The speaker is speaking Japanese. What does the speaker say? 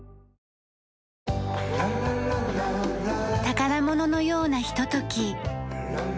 宝物のようなひととき。